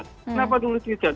kenapa dulu tidak